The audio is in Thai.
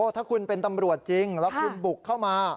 ถ้าคุณเป็นตำรวจจริงแล้วคุณบุกเข้ามา